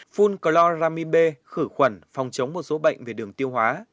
phun cloramibê khử khuẩn phòng chống một số bệnh về đường tiêu hóa